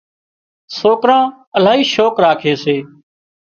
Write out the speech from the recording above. سوڪران الاهي شوق راکي سي